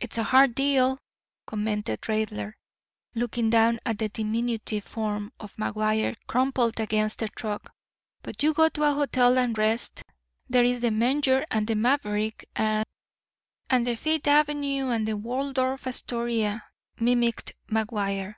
"It's a hard deal," commented Raidler, looking down at the diminutive form of McGuire crumpled against the truck. "But you go to a hotel and rest. There's the Menger and the Maverick, and—" "And the Fi'th Av'noo, and the Waldorf Astoria," mimicked McGuire.